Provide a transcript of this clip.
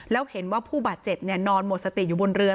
แล้วเห็นว่าผู้บาดเจ็บนอนหมดสติอยู่บนเรือ